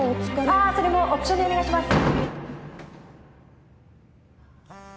あそれもオプションでお願いします。